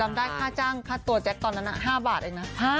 ได้ค่าจ้างค่าตัวแจ๊คตอนนั้น๕บาทเองนะ